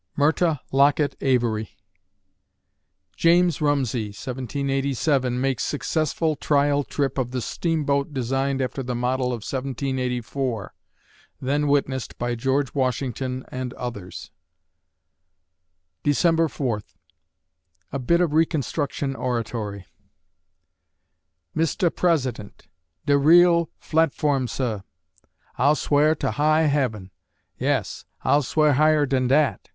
MYRTA LOCKETT AVARY _James Rumsey (1787) makes successful trial trip of the steamboat designed after the model of 1784, then witnessed by George Washington and others_ December Fourth A BIT OF RECONSTRUCTION ORATORY "Mistah President, de real flatform, suh. I'll sw'ar tuh high Heaven. Yas, I'll sw'ar higher dan dat.